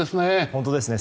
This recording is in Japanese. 本当ですね。